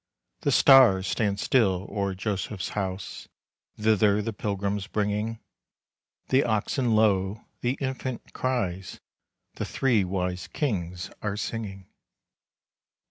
The star stands still o'er Joseph's house, Thither the pilgrims bringing; The oxen low, the Infant cries, The three wise kings are singing.